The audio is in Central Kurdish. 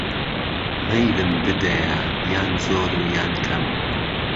مهیلم بدهیه یان زۆر و یان کهم